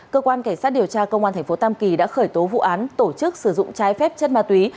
cơ quan cảnh sát điều tra công an thành phố tam kỳ đã khởi tố vụ án tổ chức sử dụng trái phép chân ma túy